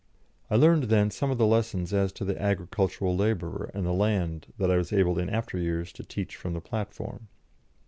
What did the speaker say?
I learned then some of the lessons as to the agricultural labourer and the land that I was able in after years to teach from the platform.